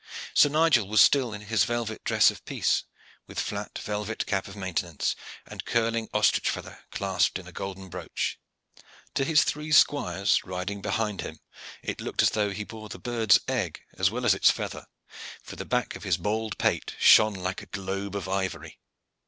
Sir Nigel was still in his velvet dress of peace, with flat velvet cap of maintenance, and curling ostrich feather clasped in a golden brooch. To his three squires riding behind him it looked as though he bore the bird's egg as well as its feather, for the back of his bald pate shone like a globe of ivory.